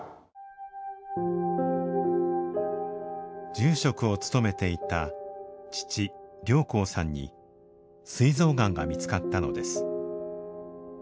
住職を務めていた父良廣さんにすい臓がんが見つかったのです。